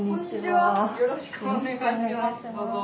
よろしくお願いします。